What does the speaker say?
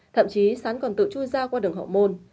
thậm chí sán còn tự chui ra qua đường hậu môn